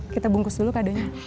kita bungkus dulu kadenya